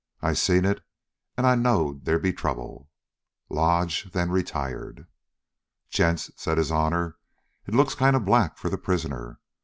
I seen it, and I knowed they'd be trouble!" Lodge then retired. "Gents," said his honor, "it looks kind of black for the prisoner.